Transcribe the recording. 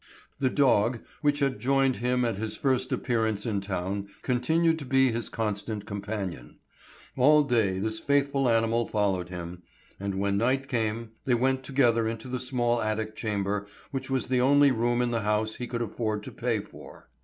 The dog which had joined him at his first appearance in town continued to be his constant companion. All day this faithful animal followed him, and when night came, they went together into the small attic chamber which was the only room in the house he could afford to pay for.